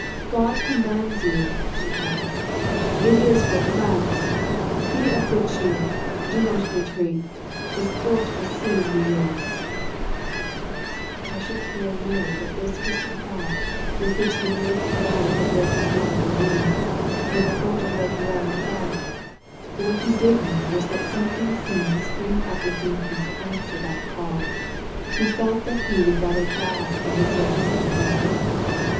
"God commands you," she cried. "It is for France. Be of good cheer. Do not retreat. The fort will soon be yours !" How should Pierre know that this was the ciy with which the Maid had rallied her broken men at Orleans when the fort of Les Tour dies fell ? What he did know was that something seemed to spring up within him to answer that call. He felt that he would rather die than desert such a leader.